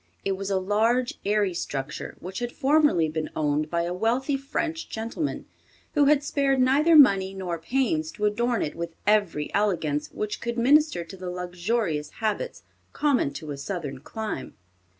It was a large, airy structure, which had formerly been owned by a wealthy French gentleman who had spared neither money nor pains to adorn it with every elegance which could minister to the luxurious habits common to a Southern clime.